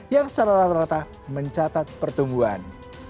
yang secara rata rata mencatat pertumbuhan